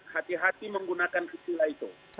hati hati menggunakan istilah itu